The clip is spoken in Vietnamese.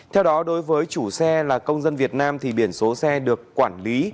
theo đó đối với chủ xe là công dân việt nam thì biển số xe được quản lý